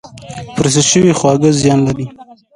پروسس شوي خواړه زیان لري